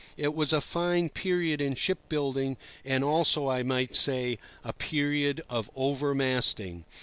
It was a fine period in ship building, and also, I might say, a period of over masting.